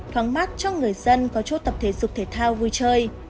thoáng mát cho người dân có chỗ tập thể dục thể thao vui chơi